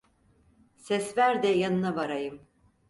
Ses ver de yanına varayım!